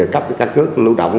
cấp căn cứ lưu động